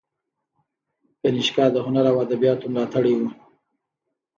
کنیشکا د هنر او ادبیاتو ملاتړی و